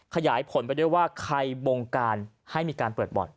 ขยายผลไปด้วยว่าใครบงการให้มีการเปิดบ่อน